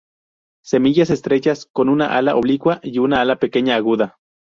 Semillas estrechas, con un ala oblicua y un ala pequeña, aguda.